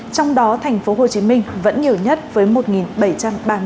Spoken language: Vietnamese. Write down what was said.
trong đó thành phố hồ chí minh vẫn nhiều nhất với một bảy trăm ba mươi chín ca